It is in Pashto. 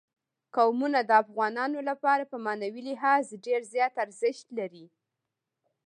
قومونه د افغانانو لپاره په معنوي لحاظ ډېر زیات ارزښت لري.